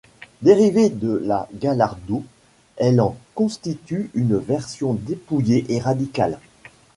Dérivée de la Gallardo, elle en constitue une version dépouillée et radicale.